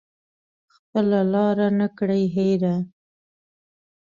خپله لاره نه کړي هیره